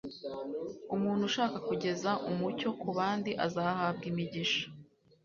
Umuntu ushaka kugeza umucyo ku bandi azahabwa imigisha.